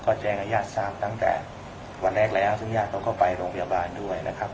ก็แจ้งให้ญาติทราบตั้งแต่วันแรกแล้วซึ่งญาติเขาก็ไปโรงพยาบาลด้วยนะครับ